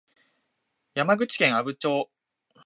山口県阿武町